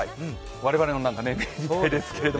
我々の年齢ですけど。